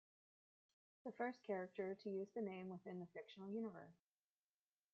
The first character to use the name within the fictional universe.